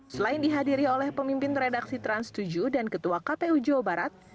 selain dihadiri oleh pemimpin redaksi trans tujuh dan ketua kpu jawa barat